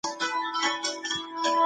د عمل او وینا یووالی مهم دی.